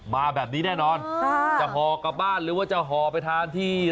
มาแบบนี้แน่นอนจะห่อกลับบ้านหรือว่าจะห่อไปทานที่